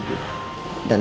aku akan cari dia dulu